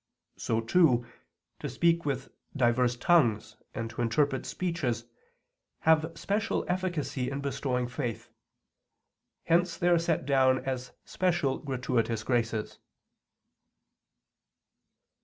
So, too, to speak with divers tongues and to interpret speeches have special efficacy in bestowing faith. Hence they are set down as special gratuitous graces.